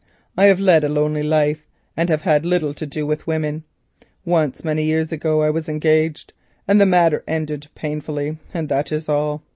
I have led a lonely life, and have had little to do with women—once, many years ago, I was engaged, and the matter ended painfully, and that is all.